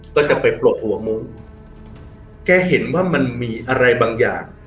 ก็จะไปปลดหัวมุ้งแกเห็นว่ามันมีอะไรบางอย่าง